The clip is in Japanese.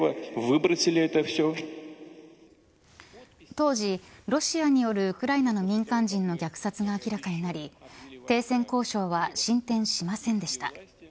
当時ロシアによるウクライナの民間人の虐殺が明らかになり停戦交渉は進展しませんでした。